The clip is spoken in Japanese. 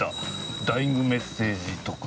ダイイングメッセージとか？